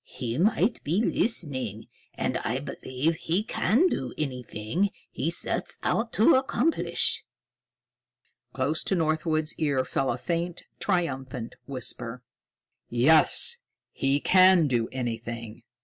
He might be listening. And I believe he can do anything he sets out to accomplish." Close to Northwood's ear fell a faint, triumphant whisper: "Yes, he can do anything.